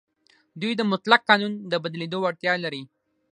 دوی د مطلق قانون د بدلېدو وړتیا لري.